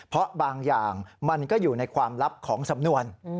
เพราะบางอย่างมันก็อยู่ในความลับของสำนวน